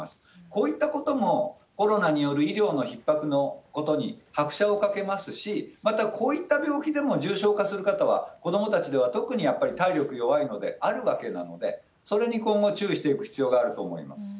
こういったこともコロナによる医療のひっ迫のことに拍車をかけますし、また、こういった病気でも重症化する方は、子どもたちでは特にやっぱり体力弱いので、あるわけなので、それに今後、注意していく必要があると思います。